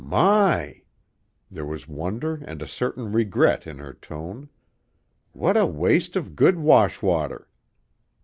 "My!" There was wonder and a certain regret in her tone. "What a waste of good wash water!"